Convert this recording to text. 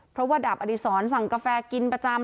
เพราะว่าดาบอดีศรสั่งกาแฟกินประจำ